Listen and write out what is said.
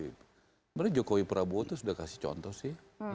sebenarnya jokowi prabowo itu sudah kasih contoh sih